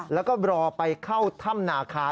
แล้วก็รอไปเข้าถ้ำนาคา